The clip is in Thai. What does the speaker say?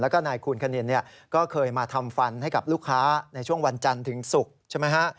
แล้วก็นายคูณคณินก็เคยมาทำฟันให้กับลูกค้าในช่วงวันจันทร์ถึงศุกร์ใช่ไหมฮะ